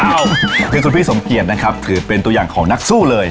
เอ้าคือคุณพี่สมเกียจนะครับถือเป็นตัวอย่างของนักสู้เลย